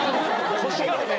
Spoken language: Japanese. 欲しがるね！